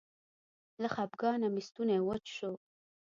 له خپګانه مې ستونی وچ شو.